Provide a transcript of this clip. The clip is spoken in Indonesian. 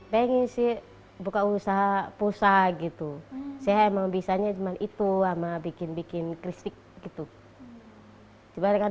pengisi buka usaha pulsa gitu saya mau bisanya cuma itu lama bikin bikin kristik gitu di barang